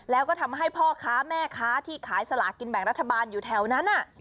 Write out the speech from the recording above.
แล้วก็ทำให้พ่อค้าแม่ค้าที่ขายสลากินแบ่งรัฐบาลอยู่แถวนั้น